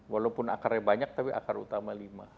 walaupun akarnya banyak tapi akar utama lima